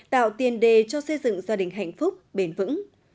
tạo tiền đề cho xây dựng gia đình hạnh phúc bền vững